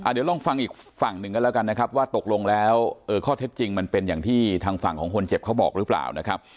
เดี๋ยวลองฟังอีกฝั่งหนึ่งกันแล้วกันนะครับว่าตกลงแล้วข้อเท็จจริงมันเป็นอย่างที่ทางฝั่งของคนเจ็บเขาบอกหรือเปล่านะครับ